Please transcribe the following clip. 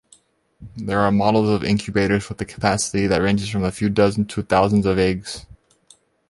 There are models of incubators with a capacity that ranges from a few dozen to thousands of eggs.